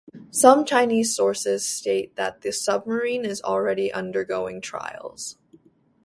Some Chinese sources states that the submarine is already undergoing trials.